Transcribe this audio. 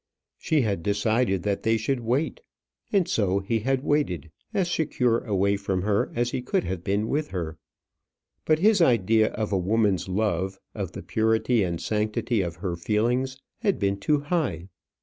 She had decided that they should wait. And so he had waited as secure away from her as he could have been with her. But his idea of a woman's love, of the purity and sanctity of her feelings, had been too high.